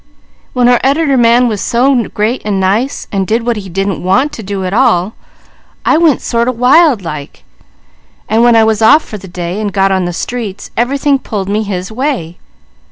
When our editor man was so great and nice, and did what he didn't want to at all, I went sort of wild like, and when I was off for the day and got on the streets, everything pulled me his way.